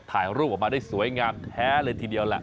ถ่ายรูปออกมาได้สวยงามแท้เลยทีเดียวแหละ